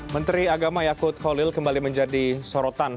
menteri agama yaakut kholil kembali menjadi sorotan